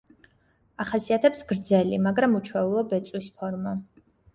ახასიათებს გრძელი, მაგრამ უჩვეულო ბეწვის ფორმა.